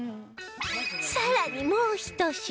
さらにもうひと品